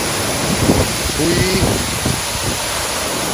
بݸئ